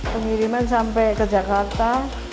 pengiriman sampai ke jakarta